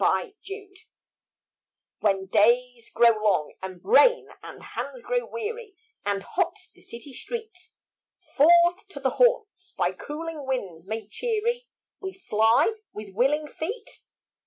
NO PLACE When days grow long, and brain and hands grow weary, And hot the city street, Forth to the haunts, by cooling winds made cheery We fly with willing feet.